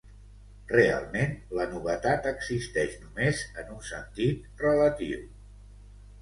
Realment, la novetat existeix només en un sentit relatiu.